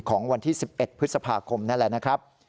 ของวันที่๑๑พฤษภาคมนั่นแหละ